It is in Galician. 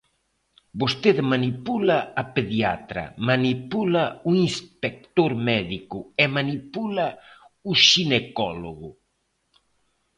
Vostede manipula a pediatra, manipula o inspector médico e manipula o xinecólogo.